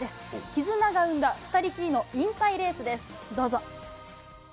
絆が生んだ２人きりの引退レースです。